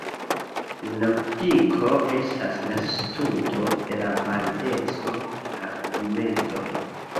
Logiko estas la studo de la valideco de argumentoj.